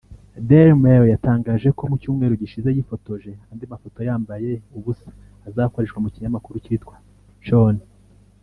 Daily Mail yatangaje ko mu cyumweru gishize yifotoje andi mafoto yambaye ubusa azakoreshwa mu kinyamakuru cyitwa Schön